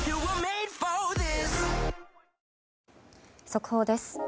速報です。